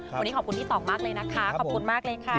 วันนี้ขอบคุณพี่ต่องมากเลยนะคะขอบคุณมากเลยค่ะ